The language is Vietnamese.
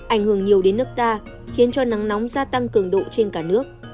ảnh hưởng nhiều đến nước ta khiến cho nắng nóng gia tăng cường độ trên cả nước